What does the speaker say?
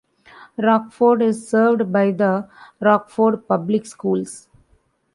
Rockford is served by the Rockford Public Schools.